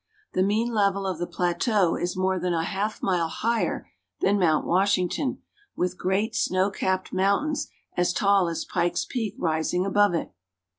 The mean level of the plateau is more than half a mile higher than Mount Washington, with great snow capped mountains as tall as Pikes Peak rising above it.